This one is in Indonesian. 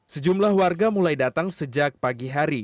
sejumlah warga mulai datang sejak pagi hari